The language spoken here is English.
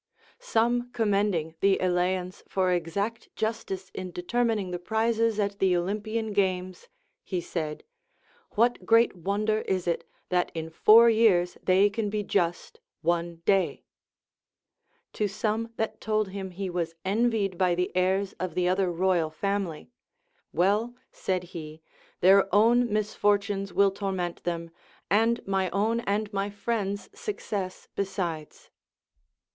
Some commending the Eleans for exact justice in determining the prizes at the Olympian games, he said. What great wonder is it, that in four years they can be just one day ] To some that told him he was envied by the heirs of the other royal family, Well, said he, their own misfortunes will torment them, and my own and my friends' success besides.